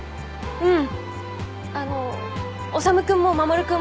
うん。